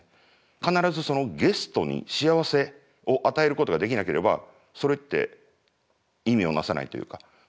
必ずゲストに幸せを与えることができなければそれって意味を成さないというか。